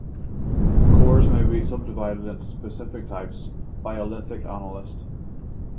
Cores may be subdivided into specific types by a lithic analyst.